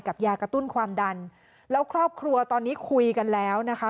ยากระตุ้นความดันแล้วครอบครัวตอนนี้คุยกันแล้วนะคะ